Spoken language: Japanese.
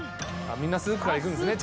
みんなスープからいくんですね